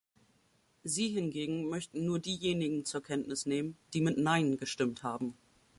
Sie hingegen möchten nur diejenigen zur Kenntnis nehmen, die mit "Nein" gestimmt haben.